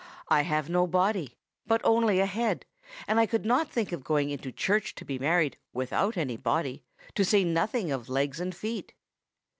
I have no body, but only a head; and I could not think of going into church to be married without any body, to say nothing of legs and feet.